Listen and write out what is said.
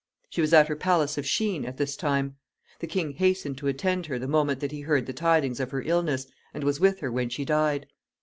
She was at her palace of Shene at this time. The king hastened to attend her the moment that he heard the tidings of her illness, and was with her when she died.